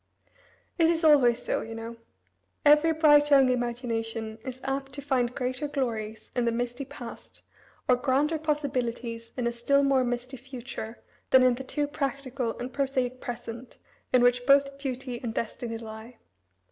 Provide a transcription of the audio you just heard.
It is always so, you know. Every bright young imagination is apt to find greater glories in the misty past, or grander possibilities in a still more misty future than in the too practical and prosaic present in which both duty and destiny lie.